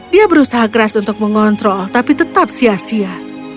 dia berusaha keras untuk mengontrol tapi tetap sia sia